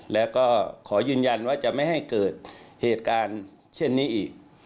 แล้วก็ขอยืนยันว่าจะไม่ให้เกิดเหตุการณ์เช่นนี้อีก